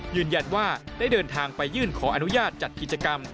ยืนยันว่าได้เดินทางไปยื่นขออนุญาตจัดกิจกรรม